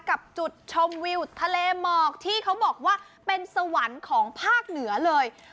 กับจุดชมวิวทะเลหมอกที่เขาบอกว่าเป็นสวรรค์ของภาคเหนือเลย